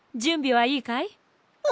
はい！